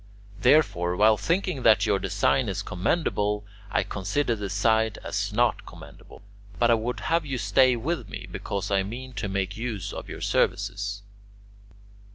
Therefore, while thinking that your design is commendable, I consider the site as not commendable; but I would have you stay with me, because I mean to make use of your services."